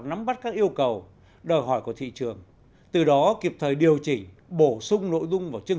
nắm bắt các yêu cầu đòi hỏi của thị trường từ đó kịp thời điều chỉnh bổ sung nội dung vào chương